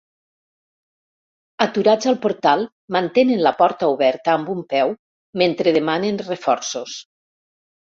Aturats al portal, mantenen la porta oberta amb un peu mentre demanen reforços.